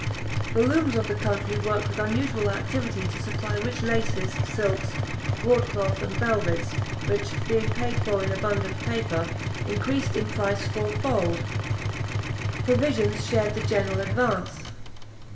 The looms of the country worked with unusual activity to supply rich laces, silks, broad cloth, and velvets, which being paid for in abundant paper, increased in price four fold. Provisions shared the general advance.